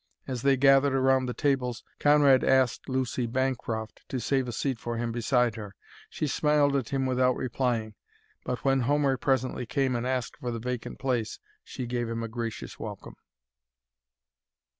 As they gathered around the tables, Conrad asked Lucy Bancroft to save a seat for him beside her. She smiled at him without replying; but when Homer presently came and asked for the vacant place she gave him a gracious welcome.